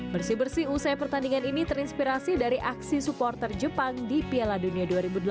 bersih bersih usai pertandingan ini terinspirasi dari aksi supporter jepang di piala dunia dua ribu delapan belas